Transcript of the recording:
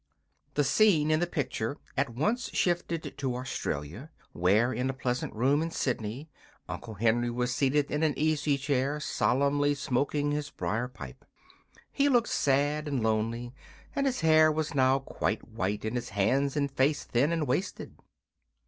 The scene in the picture at once shifted to Australia, where, in a pleasant room in Sydney, Uncle Henry was seated in an easy chair, solemnly smoking his briar pipe. He looked sad and lonely, and his hair was now quite white and his hands and face thin and wasted.